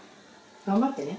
頑張ってね。